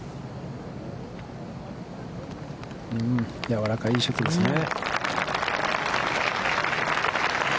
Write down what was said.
やわらかいいいショットですね。